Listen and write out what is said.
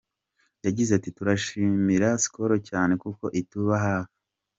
Yagize ati “Turashimira Skol cyane kuko ituba hafi.